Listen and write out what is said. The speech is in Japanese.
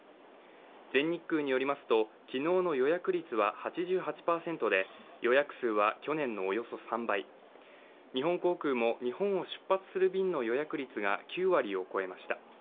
全日空によりますと、昨日の予約率は８８％で予約数は去年のおよそ３倍日本航空も日本を出発する便の予約率が９割を超えました。